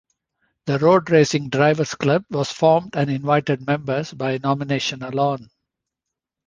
The Road Racing Drivers Club was formed and invited members by nomination alone.